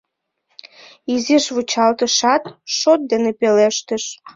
Изиш вучалтышат, шот дене пелештыш.